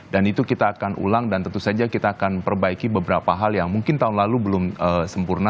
dan itu kita akan ulang dan tentu saja kita akan perbaiki beberapa hal yang mungkin tahun lalu belum sempurna